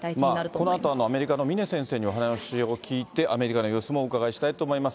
このあとアメリカの峰先生にお話を聞いて、アメリカの様子もお伺いしたいと思います。